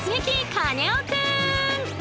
カネオくん！